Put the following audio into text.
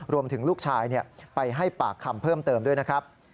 ลูกชายไปให้ปากคำเพิ่มเติมด้วยนะครับ